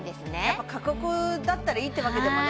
やっぱ過酷だったらいいってわけでもないんですね